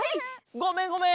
ごめんごめん！